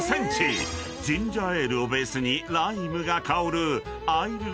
［ジンジャーエールをベースにライムが香る］